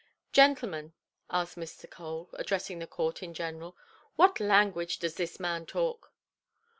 "Gentlemen", asked Mr. Cole, addressing the court in general, "what language does this man talk"?